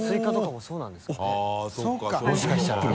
もしかしたらね。